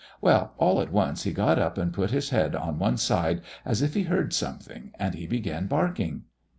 Well, all at once he got up and put his head on one side as if he heard something, and he began barking.